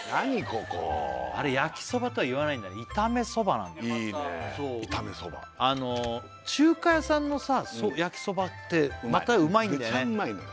ここあれ焼きそばとは言わないんだね炒めそばなんだねいいね炒めそば中華屋さんの焼きそばってまたうまいんだよね